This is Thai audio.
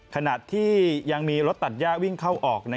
ขณะที่ยังมีรถตัดย่าวิ่งเข้าออก